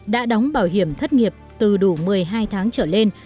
đã đóng bảo hiểm thất nghiệp từ đủ một mươi hai tháng trở lên